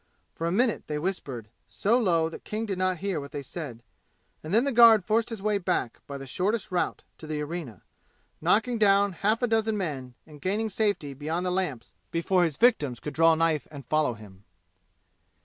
For a minute they whispered, so low that King did not hear what they said; and then the guard forced his way back by the shortest route to the arena, knocking down half a dozen men and gaining safety beyond the lamps before his victims could draw knife and follow him.